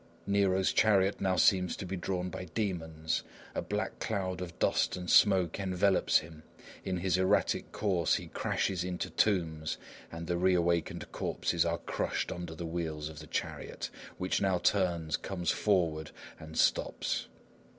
[_Nero's chariot now seems to be drawn by demons: a black cloud of dust and smoke envelops him; in his erratic course he crashes into tombs, and the re awakened corpses are crushed under the wheels of the chariot, which now turns, comes forward, and stops.